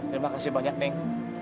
terima kasih banyak neng